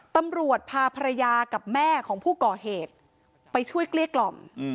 ตำรวจพาภรรยากับแม่ของผู้ก่อเหตุไปช่วยเกลี้ยกล่อม